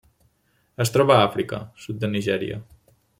Es troba a Àfrica: sud de Nigèria.